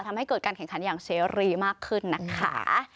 ทำให้เกิดการแข่งขันอย่างเสรีมากขึ้นนะคะ